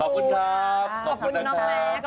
ขอบคุณครับขอบคุณน้องเล็ก